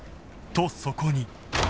とそこに